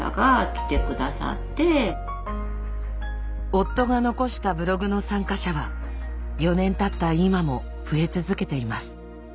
夫が残したブログの参加者は４年たった今も増え続けています。